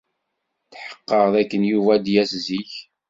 Tḥeqqeɣ dakken Yuba ad d-yas zik.